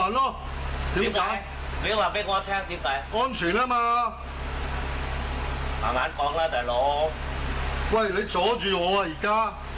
ไว้เลยเจาะจริงหรออีกก้าอะไรรอบนอกใช่หะ